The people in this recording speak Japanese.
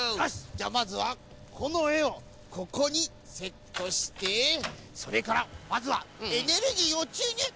じゃあまずはこのえをここにセットしてそれからまずはエネルギーをちゅうにゅう！